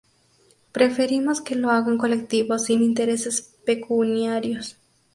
preferimos que lo hagan colectivos sin intereses pecuniarios.